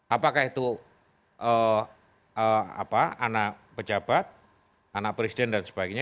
apakah itu anak pejabat anak presiden dan sebagainya